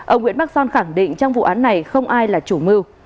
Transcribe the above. ông nguyễn bắc son khẳng định trong vụ án này không ai là chủ mưu